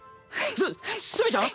す墨ちゃん？